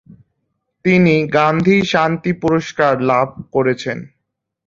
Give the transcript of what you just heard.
তিনি গান্ধী শান্তি পুরস্কার লাভ করেছেন।